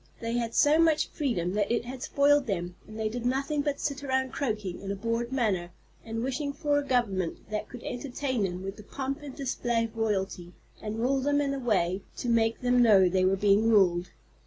They had so much freedom that it had spoiled them, and they did nothing but sit around croaking in a bored manner and wishing for a government that could entertain them with the pomp and display of royalty, and rule them in a way to make them know they were being ruled.